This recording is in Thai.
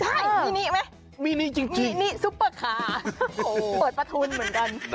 ใช่มินิไหมมีนิจริงมินิซุปเปอร์คาร์เปิดประทุนเหมือนกัน